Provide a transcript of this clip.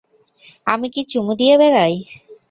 আমি কি চুমু দিয়ে বেরাই?